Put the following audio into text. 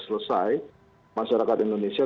selesai masyarakat indonesia